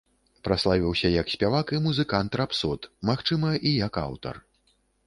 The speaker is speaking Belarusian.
Праславіўся як спявак і музыкант-рапсод, магчыма, і як аўтар.